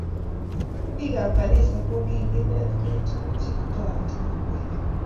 Biik ab kanisa kokinetkei tukuk che toreti kokwet